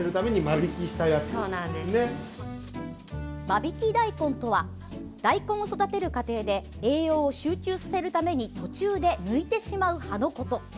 間引き大根とは大根を育てる過程で栄養を集中させるために途中で抜いてしまう葉のこと。